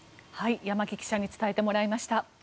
山木記者に伝えてもらいました。